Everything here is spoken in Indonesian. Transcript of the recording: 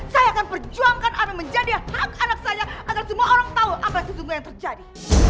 saya akan perjuangkan apa menjadi hak anak saya agar semua orang tahu apa sesungguh yang terjadi